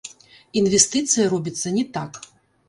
Інвестыцыя робіцца не так!